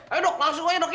ayo dok langsung aja dok ya